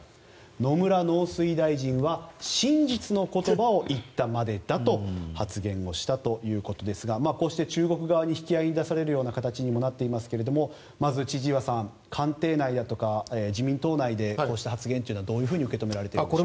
野村農水大臣は真実の言葉を言ったまでだと発言したということですがこうして中国側に引き合いに出される形にもなっていますがまず千々岩さん、官邸内だとか自民党内でこうした発言というのはどういうふうに受け止められているんですか？